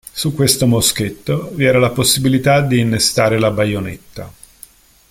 Su questo moschetto vi era la possibilità di innestare la baionetta.